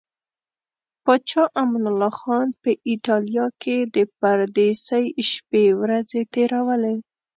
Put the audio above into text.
پاچا امان الله خان په ایټالیا کې د پردیسۍ شپې ورځې تیرولې.